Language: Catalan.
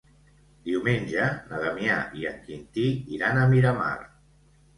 Diumenge na Damià i en Quintí iran a Miramar.